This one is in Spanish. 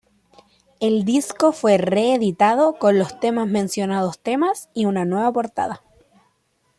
El disco fue reeditado con los temas mencionados temas y una nueva portada.